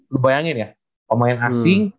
lu bayangin ya pemain asing